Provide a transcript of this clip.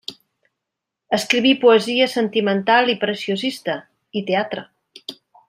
Escriví poesia, sentimental i preciosista, i teatre.